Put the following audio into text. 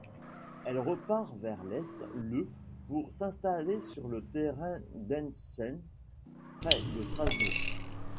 Elle repart vers l'est le pour s'installer sur le terrain d'Entzheim près de Strasbourg.